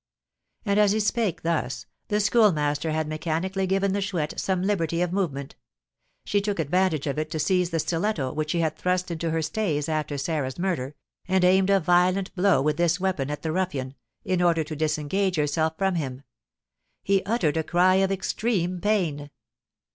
And, as he spake thus, the Schoolmaster had mechanically given the Chouette some liberty of movement. She took advantage of it to seize the stiletto which she had thrust into her stays after Sarah's murder, and aimed a violent blow with this weapon at the ruffian, in order to disengage herself from him. He uttered a cry of extreme pain.